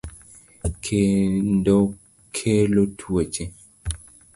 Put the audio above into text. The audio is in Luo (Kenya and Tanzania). kendo kelo tuoche.